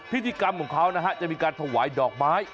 พิธีกรรมของเขานะฮะจะมีการถวายดอกไม้